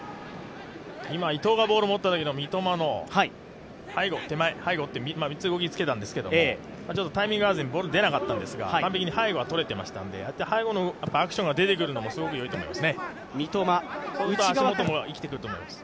今、伊藤がボールを持ったときの三笘の動き、３つ動きつけたんですけど、タイミング合わずにボールはでなかったんですが、右に背後はとれていましたんで、背後のアクションが出てくるのもすごくよいと思います。